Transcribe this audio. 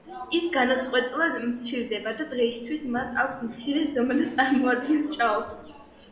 ის განუწყვეტლად მცირდება და დღეისათვის მას აქვს მცირე ზომა და წარმოადგენს ჭაობს.